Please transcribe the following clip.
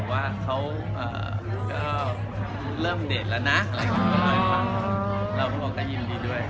ถามคุณคุณดีใช้ความที่จะมีความสุขของกัน